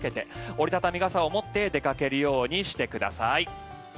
折り畳み傘を持って出かけるようにしてください。